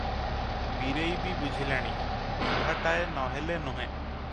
ବୀରେଇବି ବୁଝିଲାଣି, ବିଭାଟାଏ ନ ହେଲେ ନୁହେଁ ।